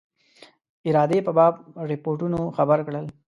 ارادې په باب رپوټونو خبر کړل.